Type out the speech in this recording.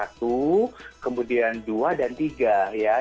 satu kemudian dua dan tiga ya